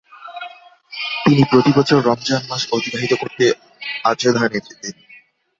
তিনি প্রতি বছর রমজান মাস অতিবাহিত করতে আজোধানে যেতেন।